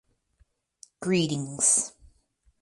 Greetings.